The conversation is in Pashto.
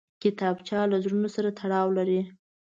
کتابچه له زړونو سره تړاو لري